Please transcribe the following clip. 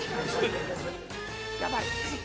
やばい。